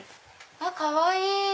あっかわいい！